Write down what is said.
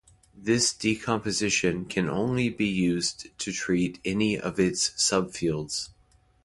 This decomposition can be used to treat any of its subfields.